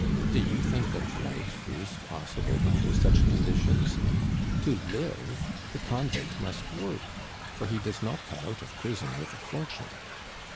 Do you think that life is possible under such conditions? To live, the convict must work, for he does not come out of prison with a fortune.